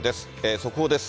速報です。